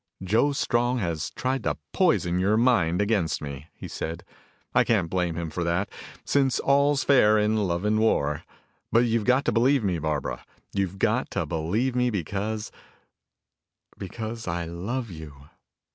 "Joe Strong has tried to poison your mind against me," he said. "I can't blame him for that, since all's fair in love and war. But you've got to believe me, Barbara. You've got to believe me because because I love you.